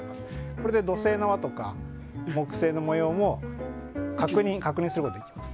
これで土星の環とか木星の模様も確認できます。